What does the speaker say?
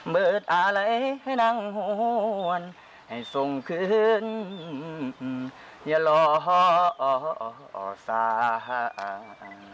เบิดอาลัยให้นางหวนให้ส่งคืนอย่าหล่อส่าง